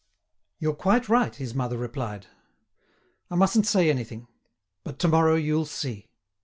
"You're quite right," his mother replied; "I mustn't say anything; but to morrow you'll see."